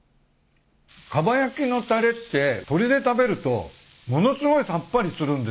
かば焼きのたれって鶏で食べるとものすごいさっぱりするんですね